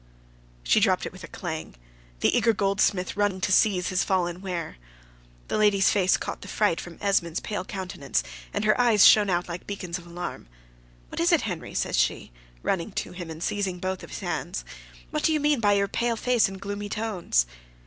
She dropped it with a clang; the eager goldsmith running to seize his fallen ware. The lady's face caught the fright from Esmond's pale countenance, and her eyes shone out like beacons of alarm: "What is it, Henry!" says she, running to him, and seizing both his hands. "What do you mean by your pale face and gloomy tones?"